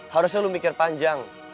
harusnya lo mikir panjang